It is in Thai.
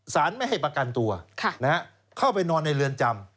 สารไม่ให้ประกันตัวเข้าไปนอนในเรือนจำ